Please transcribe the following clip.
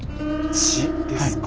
血ですか。